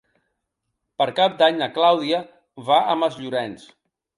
Per Cap d'Any na Clàudia va a Masllorenç.